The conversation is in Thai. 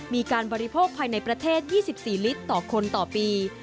มีการบริโภคภายในประเทศ๒๔ลิตรต่อคนต่อปี